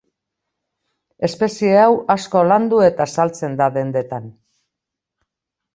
Espezie hau asko landu eta saltzen da dendetan.